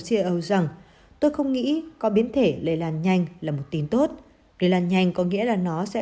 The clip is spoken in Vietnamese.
chê ấu rằng tôi không nghĩ có biến thể lây lan nhanh là một tin tốt lây lan nhanh có nghĩa là nó sẽ